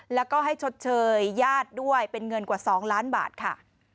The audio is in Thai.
แล้วก็ให้ชดเชยญาติด้วยเป็นเงินกว่า๒ล้านบาทค่ะ